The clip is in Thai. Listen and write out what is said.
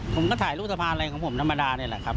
ผมก็ถ่ายรูปสะพานอะไรของผมธรรมดานี่แหละครับ